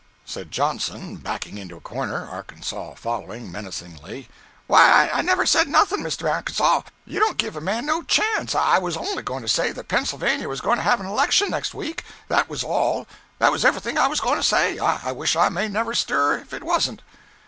Said Johnson, backing into a corner, Arkansas following, menacingly: "Why, I never said nothing, Mr. Arkansas. You don't give a man no chance. I was only goin' to say that Pennsylvania was goin' to have an election next week—that was all—that was everything I was goin' to say—I wish I may never stir if it wasn't."